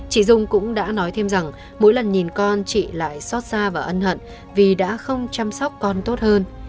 chị dung cũng đã nói thêm rằng mỗi lần nhìn con chị lại xót xa và ân hận vì đã không chăm sóc con tốt hơn